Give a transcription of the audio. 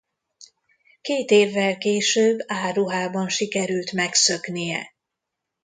Két évvel később álruhában sikerült megszöknie.